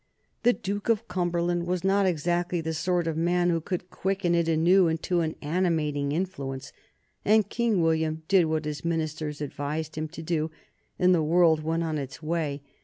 The Duke of Cumberland was not exactly the sort of man who could quicken it anew into an animating influence, and King William did what his ministers advised him to do, and the world went on its way.